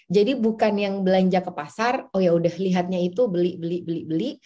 jadi bukan yang belanja ke pasar oh yaudah lihatnya itu beli beli beli beli